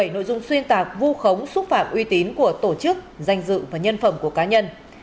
bảy nội dung xuyên tạc vu khống xúc phạm uy tín của tổ chức danh dự và nhân phẩm của cá nhân